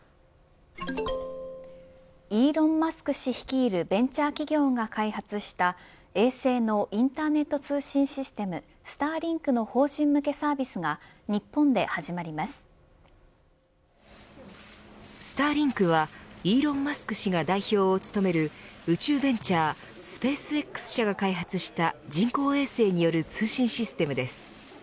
イーロン・マスク氏率いるベンチャー企業が開発した衛星のインターネット通信システムＳｔａｒｌｉｎｋの法人向けサービスがＳｔａｒｌｉｎｋはイーロン・マスク氏が代表を務める宇宙ベンチャーＳｐａｃｅＸ社が開発した人工衛星による通信システムです。